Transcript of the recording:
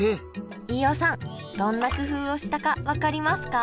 飯尾さんどんな工夫をしたか分かりますか？